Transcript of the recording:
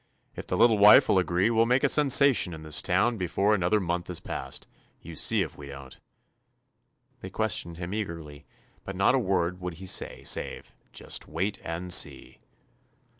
If the little wife will agree, we '11 make a sensation in this town before another month has passed, you see if we don't!" They questioned him eagerly, but not a word would he say, save, "Just wait and see."